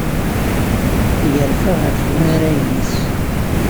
Yerfa ɣef unarag-nnes.